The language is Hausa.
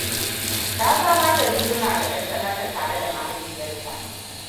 Ta samar da riguna ga yar tsanarta tare da mahaifiyarta.